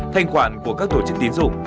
thanh khoản của các tổ chức tín dụng